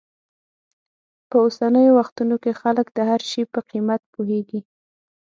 په اوسنیو وختونو کې خلک د هر شي په قیمت پوهېږي.